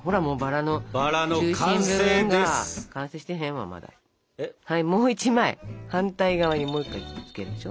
はいもう１枚反対側にもう１回くっつけるでしょ。